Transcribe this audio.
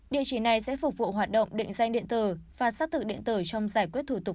địa chỉ này sẽ phục vụ hoạt động định danh điện tử và xác thực điện tử trong giải quyết thủ tục